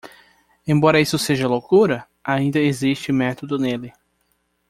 Embora isso seja loucura? ainda existe método nele